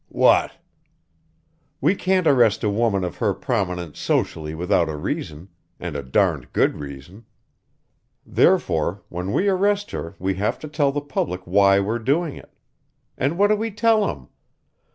"What?" "We can't arrest a woman of her prominence socially without a reason and a darned good reason. Therefore, when we arrest her we have to tell the public why we're doing it. And what do we tell 'em?